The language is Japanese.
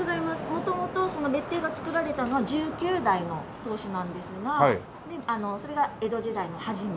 元々別邸が造られたのは１９代の当主なんですがそれが江戸時代の初め。